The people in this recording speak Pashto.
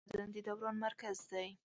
زړه د بدن د دوران مرکز دی.